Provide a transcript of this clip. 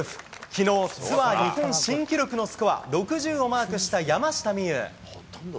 きのう、ツアー日本新記録のスコア６０をマークした山下美夢有。